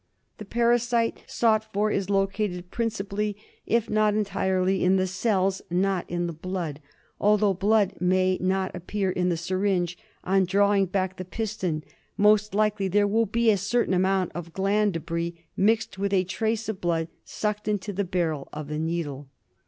The parasite sought for is located principally, if not entirely, in the cells — not in the blood. Although blood may not appear in the syringe on drawing back the piston, most likely there will be a certain amount of gland debris mixed with a trace of blood sucked into the barrel of the needle.